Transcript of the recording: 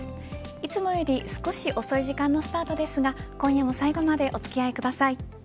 いつもより少し遅い時間のスタートですが今夜も最後までお付き合いください。